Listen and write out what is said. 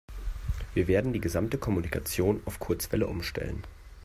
Wir werden die gesamte Kommunikation auf Kurzwelle umstellen.